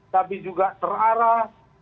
tapi juga terarah